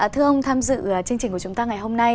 thưa ông tham dự chương trình của chúng ta ngày hôm nay